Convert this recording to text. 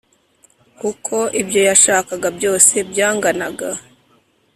uko ibyo yashakaga byose byanganaga